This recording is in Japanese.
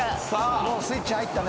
「もうスイッチ入ったね」